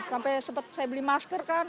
sampai sempat saya beli masker kan